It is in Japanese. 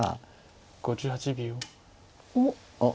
おっ。